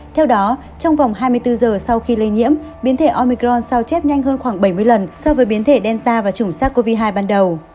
theo đó trong vòng hai mươi bốn giờ sau khi lây nhiễm biến thể omicron sao chép nhanh hơn khoảng bảy mươi lần so với biến thể delta và chủng sars cov hai ban đầu